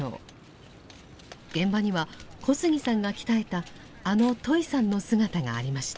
現場には小杉さんが鍛えたあのトイさんの姿がありました。